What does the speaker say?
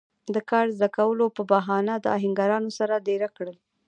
د کار زده کولو پۀ بهانه د آهنګرانو سره دېره کړل